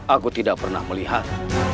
aku tidak pernah melihat